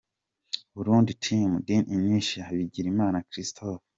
Burundi Team: Din Imtiaz& Bigirimana Christophe.